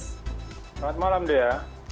selamat malam dea